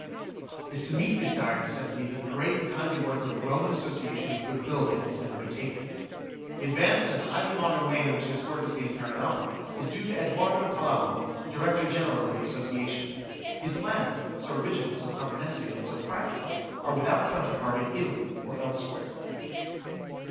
It is to meet this dire necessity that the great and kindly work of the Roman Association of Good Building has been undertaken. The advanced and highly modern way in which this work is being carried on is due to Edoardo Talamo, Director General of the Association. His plans, so original, so comprehensive, yet so practical, are without counterpart in Italy or elsewhere.